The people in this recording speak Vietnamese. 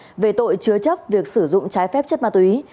cũng phạm tội chứa chấp việc sử dụng trái phép chất ma túy